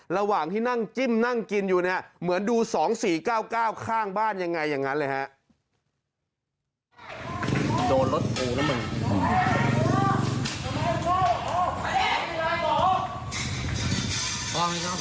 ระหว่างที่นั่งจิ้มนั่งกินอยู่เนี่ยเหมือนดู๒๔๙๙ข้างบ้านยังไงอย่างนั้นเลยฮะ